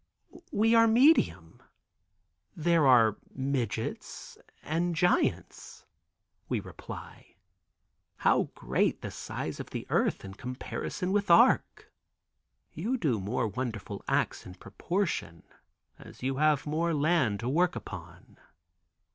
"We are medium. There are midgets and giants," we reply. "How greatly you have multiplied. How great the size of the earth in comparison with Arc. You do more wonderful acts in proportion as you have more land to work upon."